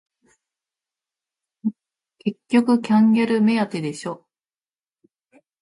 結局キャンギャル目当てでしょ